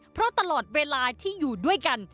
เพราะตลอดเวลาที่อยู่ด้วยกัน